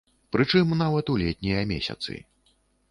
Прычым нават у летнія месяцы.